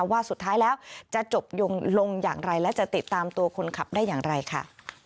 ว่าสุดท้ายแล้วจะจบลงอย่างไรและจะติดตามตัวคนขับได้อย่างไรค่ะ